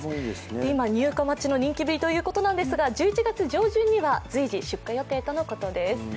今、入荷待ちの人気ぶりということですが１１月上旬には随時出荷予定とのことです。